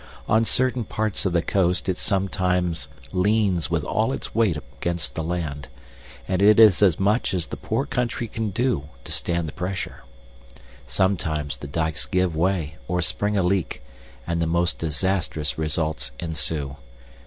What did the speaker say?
On certain parts of the coast it sometimes leans with all its weight against the land, and it is as much as the poor country can do to stand the pressure. Sometimes the dikes give way or spring a leak, and the most disastrous results ensue.